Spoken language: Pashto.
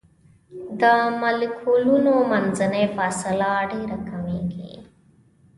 د مالیکولونو منځنۍ فاصله ډیره کمیږي.